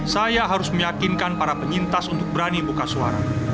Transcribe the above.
saya harus meyakinkan para penyintas untuk berani buka suara